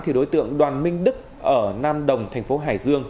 thì đối tượng đoàn minh đức ở nam đồng thành phố hải dương